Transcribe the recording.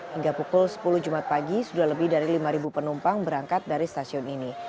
hingga pukul sepuluh jumat pagi sudah lebih dari lima penumpang berangkat dari stasiun ini